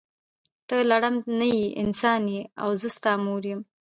ته لړم نه یی انسان یی او زه ستا مور یم.